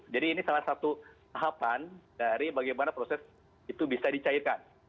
jadi ini salah satu tahapan dari bagaimana proses itu bisa dicairkan